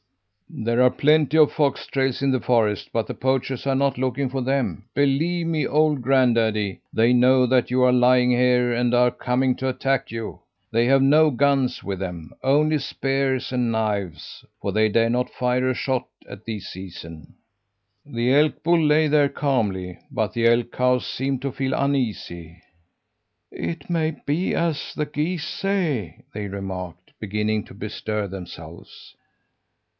"'There are plenty of fox trails in the forest, but the poachers are not looking for them. Believe me, old granddaddy! They know that you are lying here, and are coming to attack you. They have no guns with them only spears and knives for they dare not fire a shot at this season.' "The elk bull lay there calmly, but the elk cows seemed to feel uneasy. "'It may be as the geese say,' they remarked, beginning to bestir themselves.